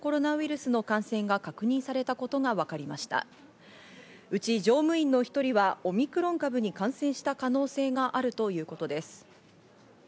そのうち、乗務員の１人はオミクロン株に感染した可能性があるということです。